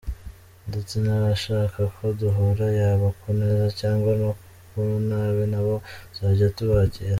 Ndetse n’abashaka ko duhura yaba ku neza cyangwa ku nabi nabo tuzajya tubakira.